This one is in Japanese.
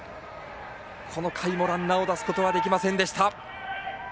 この回もランナーを出すことはできませんでした。